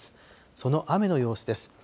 その雨の様子です。